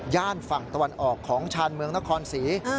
ฝั่งตะวันออกของชาญเมืองนครศรี